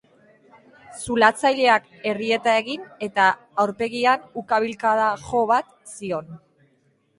Zulatzaileak errieta egin, eta aurpegian ukabilkada jo bat zion.